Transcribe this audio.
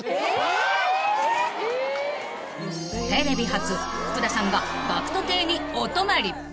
［テレビ初福田さんがＧＡＣＫＴ邸にお泊まり］